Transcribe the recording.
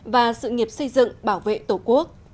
và sự nghiệp xây dựng bảo vệ tổ quốc